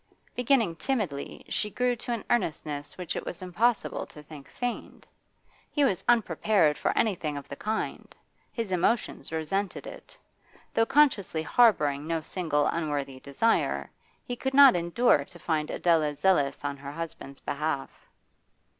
Beginning timidly, she grew to an earnestness which it was impossible to think feigned. He was unprepared for anything of the kind; his emotions resented it. Though consciously harbouring no single unworthy desire, he could not endure to find Adela zealous on her husband's behalf.